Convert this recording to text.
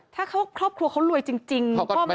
ถ้าค้อแบบครอบครัวเขารวยจริง